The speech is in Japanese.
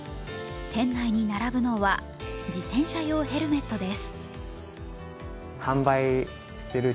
店内に並ぶのは自転車用ヘルメットです。